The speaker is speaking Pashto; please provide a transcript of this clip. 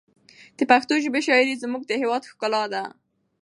د پښتو ژبې شاعري زموږ د هېواد ښکلا ده.